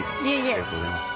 ありがとうございます。